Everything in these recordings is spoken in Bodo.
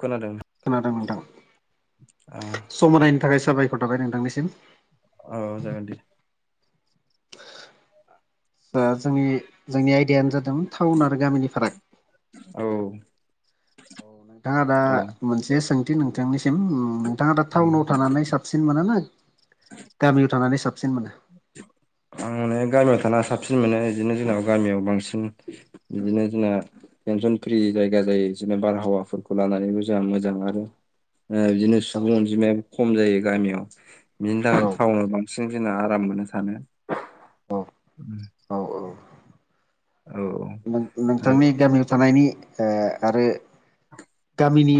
खोनादों। खोनादों नोंथां ओ सम होनायनि थाखाय साबायखर थाबाय नोंथांनिसिम औ जागोन दे। [inaudible] आसा जोंनि जोंनि आयदायानो जादों टाउन आरो गामिनि फाराग औ। औ नोंथाङा दा औ मोनसे सोंथि नोंथांनिसिम नोंथाङा दा टाउनाव थानानै साबसिन साबसिन मोनो ना गामियाव थानानै साबसिन मोनो। आ [unintelligible] आं माने गामियाव थाना साबसिन मोनो बिदिनो जोंनाव गामियाव बांसिन बिदिनो जोंना टेनसन फ्रि जायगा जायो जेनबा बारहावाफोरखौ लानानैबो जोंहा मोजां आरो बिदिनो सुबुं अनजिमायाबो खम जायो गामियाव बिनि थाखाय औ थाउवनाव बांसिन जोंना आराम मोनो थानो। औ [inaudible] औ औ औ औ नोंथांनि गामियाव थानायनि ओ आरो [inaudible] गामिनि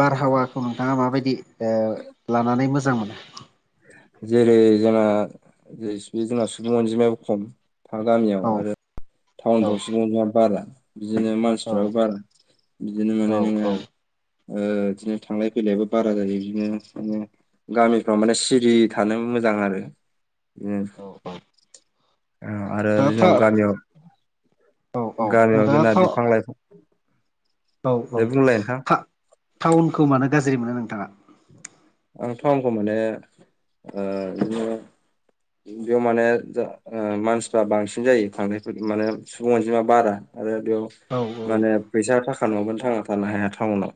बारहावाखौ नोंथाङा माबायदि ओ लानानै मोजां मोनो? जेरै जोंङो बे सुबुं अनजिमायाबो खम। गामियाव औ आरो टाउनफ्राव सुबुं अनजिमाया बारा बिदिनो मानसि औ मानसिफ्राबो बारा बिदिनो औ माने नोङो ओ बिदिनो थांलाय फैलायाबो बारा जायो बिदिनो गामिफ्राव माने सि सिरि थानो मोजां आरो। ओ औ औ आरो नोंथाङा था जोंनाव गामियाव औ औ गामियाव नोंथाङा जोंना था बिफां-लाइफां औ औ नोंथां टा-टाउनखौ मानो गाज्रि मोनो नोंथाङा? आं टाउनखौ माने ओ बिदिनो बेयाव माने जा ओ मानसिफ्रा बांसिन जायो खांद्रायफोर माने सुबुं अनजिमा बारा आरो बेयाव औ औ माने फैसा थाखा नङाबानो थांना थानो हाया टाउनाव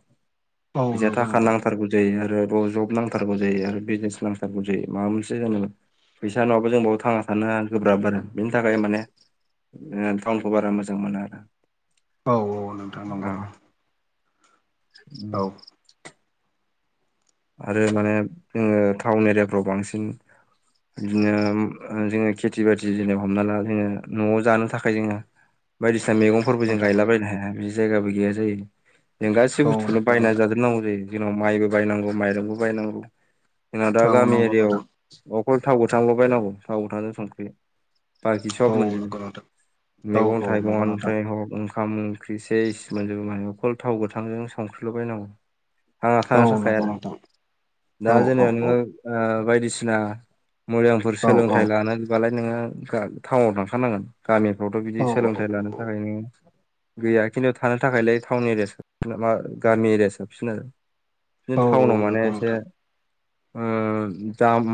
औ फैसा नंगौ थाखा नोंथां नांथारगौ जायो आरो र' जब नांथारगौ जायो आरो बिजनेस नांथारगौ जायो माबा मोनसे जानोबा फैसा नङाबा जों बाव थांना थानो गोब्राब आरो बेनि थाखाय माने ओ टाउनखौ बारा मोजां मोना आरो। औ औ [inaudible] आरो माने जोङो टाउन एरियाफ्राव बांसिन बिदिनो ओ जोङो खेथि बाथि जेने हमना ला जोङो न'आव जानो थाखाय जोङो बायदिसिना नंगौ मैगंफोरबो जों नोंथां गायलाबायनो हाया बिदि जायगाबो गैया जायो जों गासै नंगौ औ थुखोनो नंगौ बायना नोंथां जाजोबनांगौ जायो जोंनाव माइबो बायनांगौ माइरंबो बायनांगौ जोंना दा औ गामि नंगौ एरियायाव नोंथां अखल थाव गोथांल' बायनांगौ थाव गोथांजों संख्रि बाखि औ सब मोनजोबो। नंगौ नोंथां औ मैगं औ नंगौ नोंथां थाइगङानिफ्राय हख ओंखाम ओंख्रि सेस मोनजोबो माने अखल थाव गोथांजों संख्रिल'बायनांगौ आंहा औ थांनो थाखाय नंगौ आरो नोंथां औ दा औ जेनेबा औ नों ओ बायदिसिना मोजांफोर औ सोलोंथाइ लानोबालाय नोङो टा-टाउनाव थांखानांगोन। गामिफ्रावथ' बिदि औ औ सोलोंथाइ लानो थाखाय नोङो गैया खिन्थु थानो थाखायलाय टाउन एरिया साबसिना मा गामि एरिया साबसिन आरो। बिदिनो औ टाउनाव औ माने नंगौ एसे नोंथां ओ दाम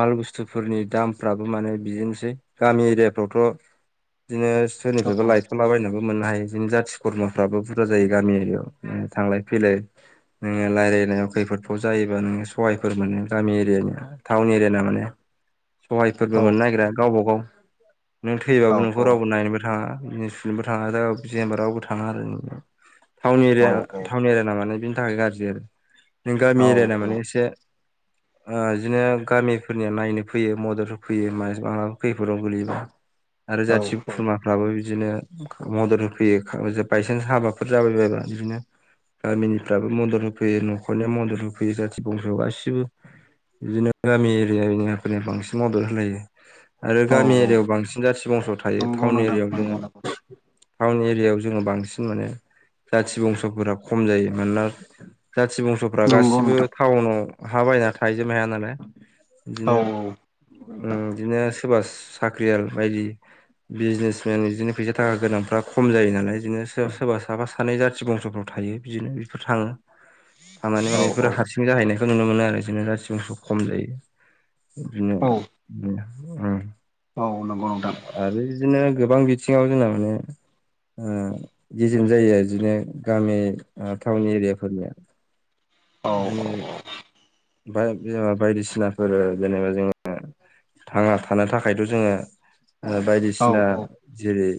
माल बुस्थुफोरनि दामफ्राबो माने बिदिनोसै गामि एरियाफ्रावथ' बिदिनो औ सोरनिफ्रायबा लायथ थ'लाबायनाबो मोननो हायो जोंनि जाथि खरमाफ्राबो बुरजा जायो गामि एरियाव थांलाय फैलाय। [unintelligible] खैफोदखौ जायोबा नोङो सहायफोर मोनो गामि एरियानिया टाउन एरियाना माने औ सहायफोरबो मोननो नागिरा गावबागाव नों औ थैबाबो औ नोंखौ रावबो नायनोबो थाङा। [unintelligible] जेनबा थाङा रावबो थाङा आरो नोंथां। टाउन एरिया औ टाउन एरियाना माने बेनि थाखाय गाज्रि आरो। नों गामि एरिया ना औ माने एसे ओ बिदिनो गामिफोरनिया नायनो फैयो मदद होफैयो मास मालाबा खैफोदाव गोलैयोबा। आरो जाथि खुरमा औ फ्राबो बिदिनो मदद होफैयो खा- बायसान्स हाबाफोर जाबाय बायबा बिदिनो गामिनिफ्राबो मदद होफैयो न'खरनिया मदद होफैयो जाथि बंस' गासिबो बिदिनो गामि एरिया एरियाफोरनिया बांसिन मदद होलायो। आरो गामि औ औ एरियायाव बांसिन जाथि बंस' थायो नंगौ टाउन नोंथां एरियायाव नंगौ जोङो नंगौ टाउन एरियायाव जोङो बांसिन माने जाथि बंस'फोरा खम जायो मानोना खाथि बंस'फ्रा नंगौ गासिबो नोंथां टाउनाव हा बायना थाहैजोबनो हाया नालाय औ बिदिनो औ नंगौ नोंथां बिदिनो सोरबा साख्रियाल बायदि बिजनेसमेन बिदिनो फैसा थाखा गोनांफ्रा खम जायो नालाय बिदिनो सोरबा सोरबा साफा सानै जाथि बंस'फ्राव थायो। बिदिनो बेफोर थाङो खामानि औ माने बेफोरो औ हारसिं जाहैनायखौ नुनो मोनो आरो जोंनो रासि मसौ खम जायो बिदिनो औ औ नंगौ नोंथां आरो बिदिनो गोबां बिथिङाव जोंना माने गेजेम जायो बिदिनो गामि टाउन एरियाफोरनिया। औ बिदिनो बायदिसिनाफोर जेनेबा जोङो थाङा थानो थाखायथ' जोङो औ बायदिसिना औ जेरै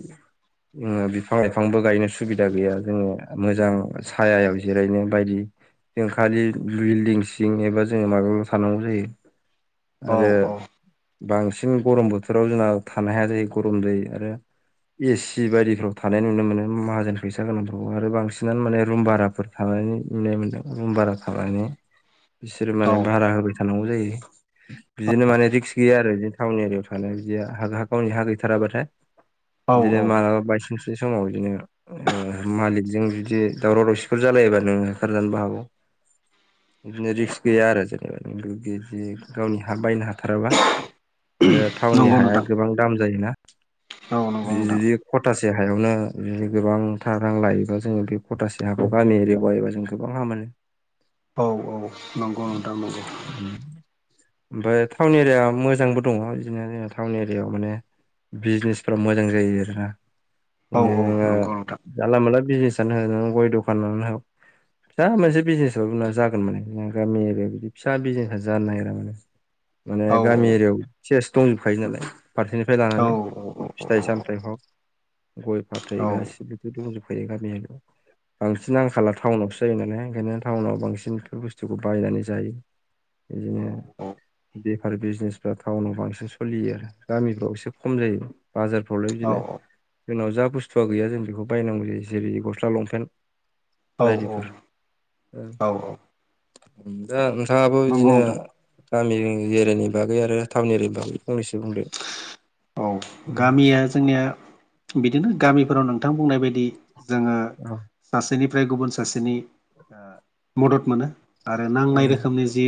जो बिफां लाइफांबो गायनो सुबिदा गैया जोङो मोजां सायायाव जिरायनो बायदि जों खालि बिल्डिं सिं एबा जोङो माबायावाव थानांगौ जायो औ आरो औ बांसिन गरम बोथोराव जोंना थानो हाया जायो गरम दै आरो एसि बायदिफ्राव थानाय नुनो मोनो माहाजोन फैसा गोनांफ्राव आरो बांसिनानो माने रुम भाराफोर नाय मोनदों रुम भारा खालामानानै बिसोरो औ माने भारा होबाय। थानांगौ जायो बिदिनो माने रिक्स गैया आरो बिनो टाउन एरियायाव थानाय बिदि ह ह गावनि हा गैथाराबाथाय औ बिदिनो औ माला सुंस्रि समाव बिदिनो मालिकजों जुदि दावराव दावसिफोर जालायोबा ननोङ होखारजानोबो हागौ। [inaudible] बिदिनो रिक्स गैया आरो जेनेबा नों गिदि गावनि हा बायनो हाथाराबा आरो टाउननि नंगौ हाया नोंथां गोबां दाम जायोना औ नंगौ नोंथां दि खथासे हायावनो बिदि गोबांथार रां लायोबा जोङो बे खथासे जोंहाखौ गामि एरि बायोबा जों गोबां हामानो [inaudible] औ औ नंगौ नोंथां नंगौ ओमफ्राय टाउन एरिया मोजांबो दङ बिदिनो जों टाउन एरियाायाव माने बिजनेस फोर्रा मोजां जायो आरोना औ औ बिनोङो नंगौ नोंथां जानला मोनला बिजनेसानो होन गय दखानानो फिसा मोनसे बिजनेसना जागोन मानेों गामि एरियायाव बिदि फिसा बिजनेसा जानो नागिरा माने माने औ गामि एरियायाव एसो दंजोबखायो नालाय फारसेनिफ्राय औ लानानै फिथाइ सामथाइ हग गय फाथै औ गासैबोथ' दंजोबफायो गामियानोयाव बांसिन आंखाला टाउनावसो जायो नालाय ओंखायनो टाउनाव बांसिन बेफोर बुस्थुखौ बायनानै जायो। बिदिनो बेफार बिजनेसफ्रा टाउनाव बांसिन सोलियो आरो गामिफ्राव एसे खम जायो। बाजार प्रब्लेम बिदिनो जोंनाव जा बुस्थुआ गैया जों बेखौ बायनांगौ जायो जेरै गस्ला लंपेन्ट औ औ बायदिफोर औ औ दा नोंथाङाबो नंगौ बिदिनो नोंथां गामि एरियानि बागै आरो टाउन एरियानि बागै फंनैसो बुंदो औ औ गामिया जोंनिया बिदिनो गामिफोराव नोंथां बुंनाय बायदि जोङो सासेनिफ्राय गुबुन सासेनि मदद मोनो आरो नांनाय रोखोमनि जि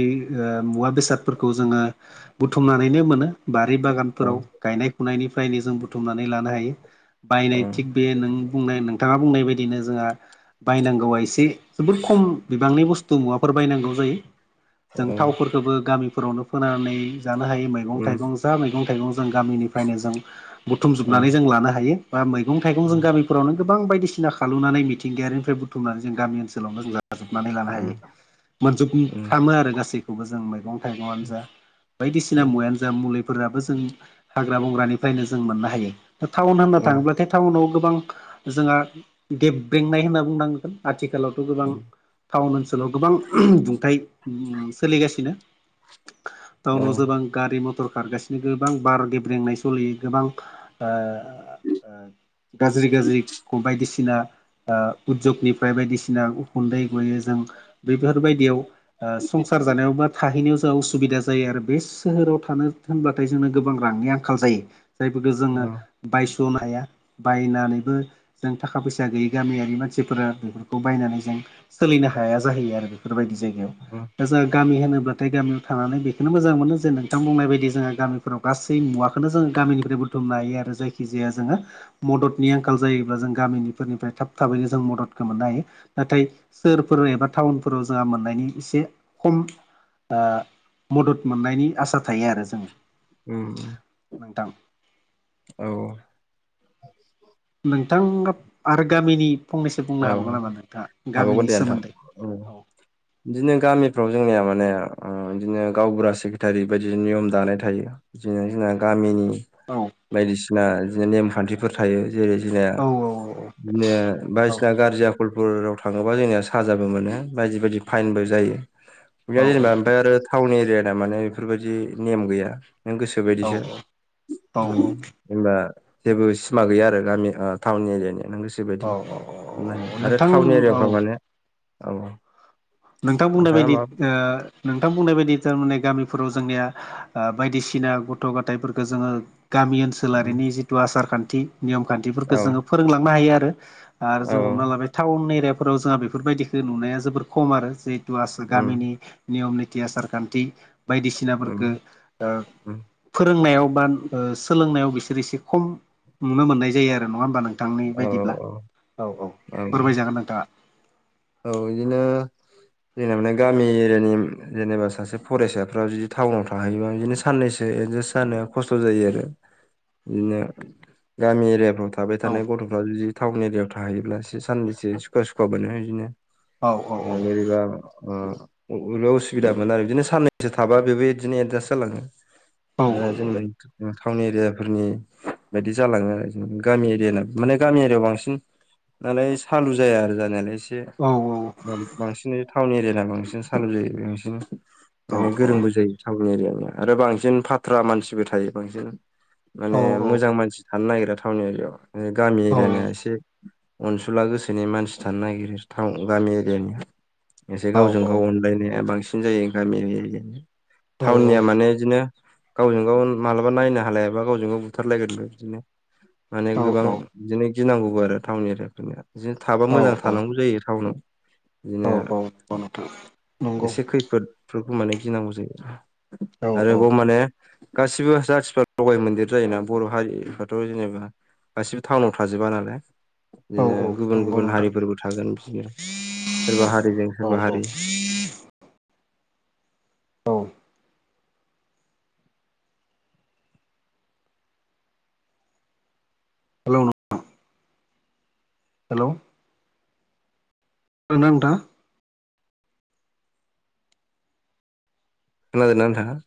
मुवा बेसादफोरखौ जोङो बुथुमनानैनो मोनो बा बारि औ बागानफोराव गायनाय फुनायनिफ्रायनो जों बुथुमनानै लानो हायो। औ बायनाय थिग बे नों बुंनाय नोंथाङा बुंनाय बायदिनो जोंहा बायनांगौआ एसे जोबोद खम बिबांनि बुस्थु मुवाफोर बायनांगौ जायो। जों थावफोरखौबो गामिफोरावनो फोनानै जानो हायो मैगं थाइगं फसा मैगं थाइगं जों गामिनिफ्रायनो जों बुथुमजोबनानै जों लानो हायो बा मैगं थाइगं जों गामि फोरावनो गोबां बायदिसिना खालामलुनानै मिथिंगायारिनिफ्राय बुथुमनानै जों गामि ओनसोलावनो जों जाजोबनानै लानो हायो। मोनजोबफ्रामो आरो गासैखौबो जों मैगं थाइगंआनो जा बायदिसिना मुयानो जा मुलि फोराबो जों हाग्रा बंग्रानिफ्रायनो जों मोननो हायो टाउन होननो थाङोब्लाथाय टाउनाव गोबां जोंहा गेब्रेंनाय होनना बुंनांगोन आथिखालावथ' गोबां टाउन ओनसोलाव गोबां बुंथाय सोलिगासिनो टाउनाव गोबां गारि मथर खारगासिनो गोबां बार गेब्रेंनाय सलियो गोबां गाज्रि गाज्रि बायदिसिना उदजगनिफ्राय बायदिसिना गुन्दै गयोजों बेफोरबायदियाव संसार जानायाव बा थाहैनायाव जों असुबिदा ज जायो आरो बे सोहोराव थानो होनबाथाय जोंनो गोबां रांनि आंखाल जायो जायफोरखौ जोङो बायस'नो हाया बायनानैबो जों थाखा फैसा गैयि गामियारि मानसिफोरा बेफोरखौ बायनानै जों सोलिनो हाया जाहैयो आरो बेफोरबायदि जायगायाव उ जों गामि होनोब्लाथाय गामियाव थानानै बेखौनो मोजां मोनो जे नोंथां बुंनाय बायदि गामिफोराव गासै मुवाखौनो जोङो गामिनिफ्राय बुथुमनो हायो आरो जायखिजाया जोङो मददनि आंखाल जायोब्ला जों गामिनिफोरनिफ्राय थाब थाबैनो जों मददखौ मोननो हायो नाथाय सोहोरफोर एबा टाउनफोराव जोंहा मोननायनि एसे खम मदद मोननायनि आसा थायो आरो जोङो उ नोंथां औ नोंथां आरो गामिनि फंनैसो बुंनो औ हाबावगोन नामा नोंथाङा हाबावगोन दे गामिनि नोंथां सोमोन्दै औ बिदिनो गामिफ्राव जोंनिया माने बिदिनो गावबुरा सेक्रेटारि बायदि नियम दानाय थायो जेन जोंना गामिनि औ बायदिसिना बिदिनो नेमखान्थिफोर थायो जेरै जोंनिया औ बिदिनो औ बायदिसिना गारजि आखलफोराव थाङोबा जोंनिया साजाबो मोनो बायदि बायदि फाइनबो जायो बे औ जेनेबा ओमफ्राय आरो टाउन एरिया ना माने बेफोरबायदि नेम गैया नों गोसो औ बायदिसो ओम औ जेनबा जेबो सिमा गैया आरो गामि टाउन एरियानिया नों गोसो बायदि औ औ मोन औ आरो नोंथां टाउन औ एरियाफ्राव माने औ औ नोंथां बुंनाय बायदि नोंथां बुंनाय बायदि थारमाने गामिफोराव जोंनिया बायदिसिना गथ' गथायफोरखो जोङो गामि ओनसो सोलारिनि जिथु आसार खान्थि नियम औ खान्थिफोरखौ जोङो फोरोंलांनो हायो आरो आरो औ जों हमना लाबाय टाउन एरियाफोराव जोंहा बेफोरबायदिखौ नुनाया जोबोर खम आरो जिहेतु आसो उम गामिनि नियम निथि आसार खान्थि उम बायदिसिनाफोरखो ओ उम फोरोंनायाव बा सोलोंनायाव बिसोर एसे खम नुनो मोननाय जायो आरो नङा होमबा नों नोंथांनि औ बायदिब्ला औ औ फोरमायजागोन नोंथाङा औ बिदिनो जेनेबाने गामि एरियानि जेनेबा फरायसाफ्रा जि टाउनाव थाहैबा बिदिनो साननैसो एदजास्ट जानो खस्थ' जायो आरो बिदिनो गामि एरियाफ्रावथ' थाबाय औ थानाय गथ'फ्रा जुदि टाउन एरियाव थाहैयोब्ला एसे साननैसो सुखुवा सुखुवा मोनो बिदिनो औ औ औ आरो एबा अ बबेबा उसुबिदा मोनो आरो बिदिनो साननैसो थाबा बेबो बिदिनो एडजास्ट जालाङो ओ औ जोंलाइ टाउन एरियाफोरनि बायदि जालाङो आरो जों गामि एरियाना माने गामि एरियाव बांसिन नालाय सालु जाया आरो जानायालाय एसे औ औ औ बांसिन टाउन एरियाना बांसिन सालु जायो बांसिन औ माने गोरोंबो जायो जोंनि एरियानिया आरो बांसिन फाथ्रा मानसिबो थायो बांसिन माने मोजां मानसि थानो नागिरा टाउन एरियाव गामि औ एरियानिया एसे अनसुला गोसोनि मानसि थानो नागिरो टाउन गामि एरियानिया एसे औ गावजों गाव अनलायनाया बांसिन बांसिन जायो गामि एरियानि टाउननिया माने इदिनो गावजों गाव मालाबा नायनो हालायाबा गावजों गाव बुथारलायगोनबो बिदिनो माने औ गोबां बिदिनो गिनांगौबो आरो टाउन एरियाफोरनिया बिदिनो थाबा औ मोजां औ थानांगौ जायो टाउनाव बिदिनो नंगौ नोंथां नंगौ एसे खैफोदफोरखौ माने गिनांगौ जायो औ आरोबाव माने गासिबो जाथिफ्रा लगाय मोनदेर जायोना बर' हारिफ्राथ' जेनेबा गासिबो टाउनाव थाजोबा नालाय औ बिदिनो औ गुबुन नंगौ गुबुन नोंथां हारिफोरबो थागोन बिदिनो सोरबा हारिजों औ सोरबा औ हारि औ हेलौ हेलौ खोनादोंना नोंथाङा खोनादोंना नोंथाङा